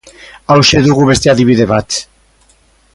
Hauxe dugu beste adibide bat.